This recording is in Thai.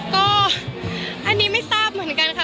ก็อันนี้ไม่ทราบเหมือนกันค่ะ